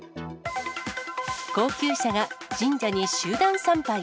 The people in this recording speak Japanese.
高級車が神社に集団参拝。